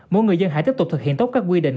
mỗi người dân hãy tiếp tục thực hiện tốt các quy định